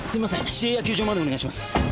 市営野球場までお願いします。